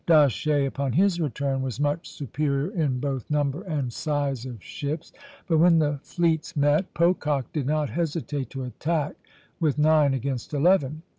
D'Aché, upon his return, was much superior in both number and size of ships; but when the fleets met, Pocock did not hesitate to attack with nine against eleven.